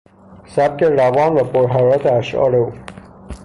سبک روان و پرحرارت اشعار او